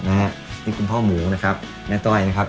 นี่คุณพ่อหมูนะครับแม่ต้อยนะครับ